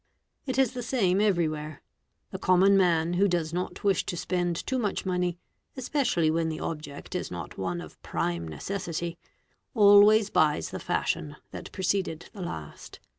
Iti the same everywhere : the common man who does not wish to spend tor much money, especially when the object is not one of prime necessity always buys the fashion that preceded the last.